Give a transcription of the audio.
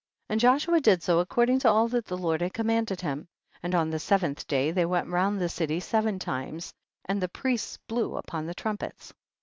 16. And Joshua did so according to all that the Lord had commanded him. 17. And on the seventh day they went round the city seven times, and the priests blew upon trumpets.